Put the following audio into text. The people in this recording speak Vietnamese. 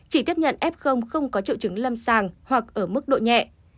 chỉ tiếp nhận f không có triệu chứng lâm sàng hoặc ở mức độ nhẹ